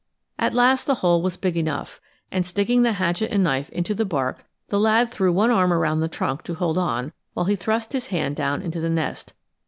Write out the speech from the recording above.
At last the hole was big enough, and, sticking the hatchet and knife into the bark, the lad threw one arm around the trunk to hold on while he thrust his hand down into the nest.